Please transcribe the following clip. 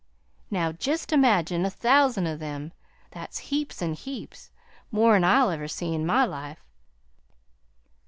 "Now, jest imagine a thousand of them; that's heaps an' heaps more 'n I ever see in my life."